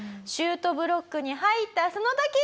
シュートブロックに入ったその時！